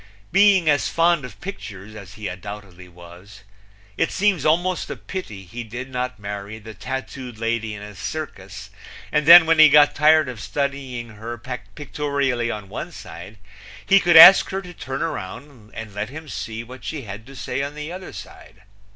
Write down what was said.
Being as fond of pictures as he undoubtedly was, it seems almost a pity he did not marry the tattooed lady in a circus and then when he got tired of studying her pictorially on one side he could ask her to turn around and let him see what she had to say on the other side.